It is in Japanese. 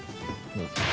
どうぞ。